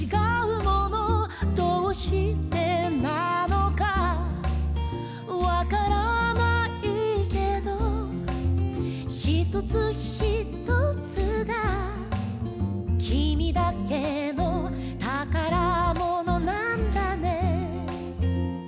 「どうしてなのかわからないけど」「ひとつひとつがきみだけのたからものなんだね」